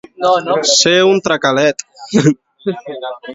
Ser un tracalet.